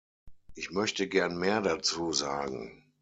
Ich möchte gern mehr dazu sagen.